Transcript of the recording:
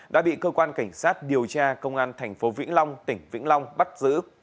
đã bị cơ quan cảnh sát điều tra công an thành phố vĩnh long tỉnh vĩnh long bắt giữ